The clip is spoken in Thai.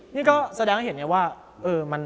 นี่ก็แสดงให้เห็นไงว่าเออมัน